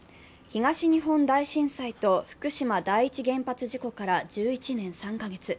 東日本大震災と福島第一原発事故から１１年３カ月。